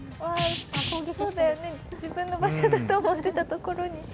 そうだよね、自分の場所だと思ってたところに。